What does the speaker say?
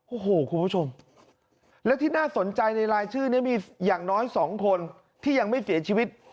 โอ้โหคุณผู้ชมและที่น่าสนใจในรายชื่อนี้มีอย่างน้อย๒คนที่ยังไม่เสียชีวิต